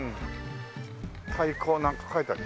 「太鼓」なんか書いてある。